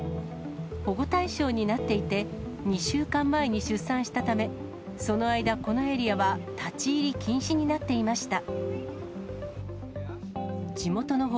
保護対象になっていて、２週間前に出産したため、その間、このエリアは立ち入り禁止になっていました。